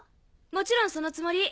もちろんそのつもり。